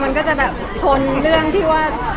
มันก็จะแบบชนเรื่องที่ว่า